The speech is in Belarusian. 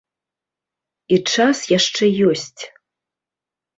І час яшчэ ёсць.